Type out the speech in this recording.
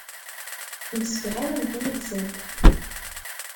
Temsefhamemt yid-sent.